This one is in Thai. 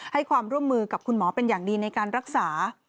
ให้ความร่วมมือกับคุณหมอเป็นอย่างดีในการรักษา